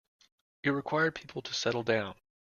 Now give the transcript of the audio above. It required people to settle down.